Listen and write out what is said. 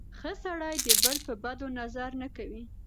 ښه سړی د بل په بدو نظر نه کوي.